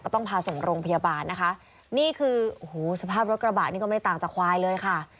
ต้องพาส่งโรงพยาบาลนะคะนี่คือโอ้โหสภาพรถกระบะนี่ก็ไม่ได้ต่างจากควายเลยค่ะ